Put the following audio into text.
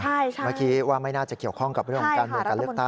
เมื่อกี้ว่าไม่น่าจะเกี่ยวข้องกับเรื่องของการโหวตการเลือกตั้ง